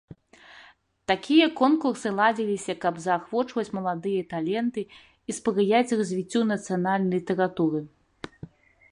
Такія конкурсы ладзіліся, каб заахвочваць маладыя таленты і спрыяць развіццю нацыянальнай літаратуры.